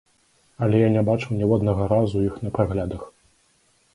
Але я не бачыў ніводнага разу іх на праглядах.